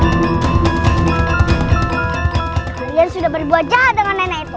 kalian sudah berbuat jahat dengan nenek itu